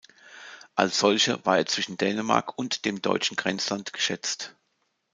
Als solcher war er zwischen Dänemark und dem deutschen Grenzland geschätzt.